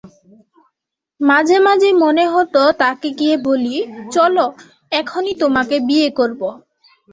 মাঝে মাঝেই মনে হতো তাঁকে গিয়ে বলি, চলো, এখনই তোমাকে বিয়ে করব।